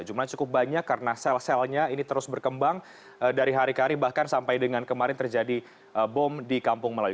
jumlahnya cukup banyak karena sel selnya ini terus berkembang dari hari ke hari bahkan sampai dengan kemarin terjadi bom di kampung melayu